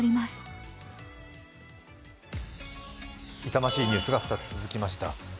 痛ましいニュースが２つ続きました。